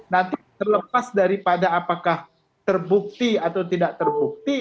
nanti terlepas daripada apakah terbukti atau tidak terbukti